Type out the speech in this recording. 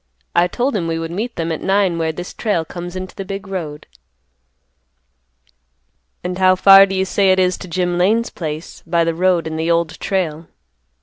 I told him we would meet them at nine where this trail comes into the big road." "And how far do you say it is to Jim Lane's place, by the road and the Old Trail?"